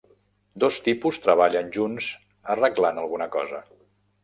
Dos tipus treballen junts arreglant alguna cosa